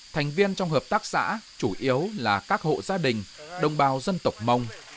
thành viên trong hợp tác xã chủ yếu là các hộ gia đình đồng bào dân tộc mông